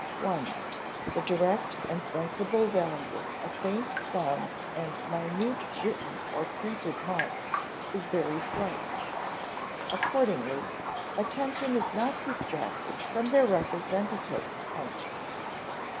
(i) The direct and sensible value of faint sounds and minute written or printed marks is very slight. Accordingly, attention is not distracted from their representative function.